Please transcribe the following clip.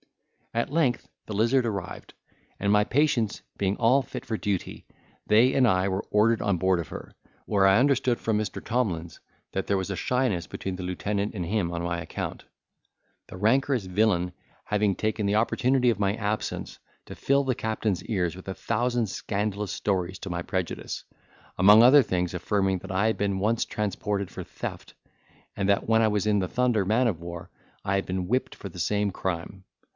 At length the Lizard arrived; and my patients being all fit for duty, they and I were ordered on board of her, where I understood from Mr. Tomlins that there was a shyness between the lieutenant and him on my account; the rancorous villain having taken the opportunity of my absence to fill the captain's ears with a thousand scandalous stories to my prejudice; among other things affirming, that I had been once transported for theft, and that when I was in the Thunder man of war, I had been whipped for the same crime.